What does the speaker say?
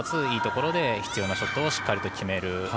いいところで必要なショットをしっかり決める。